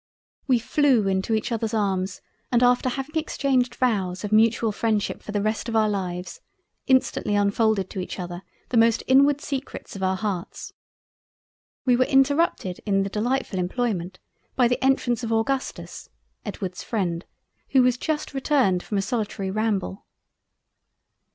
We flew into each others arms and after having exchanged vows of mutual Freindship for the rest of our Lives, instantly unfolded to each other the most inward secrets of our Hearts—. We were interrupted in the delightfull Employment by the entrance of Augustus, (Edward's freind) who was just returned from a solitary ramble.